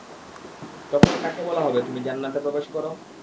তখন তাকে বলা হবে, তুমি জান্নাতে প্রবেশ কর।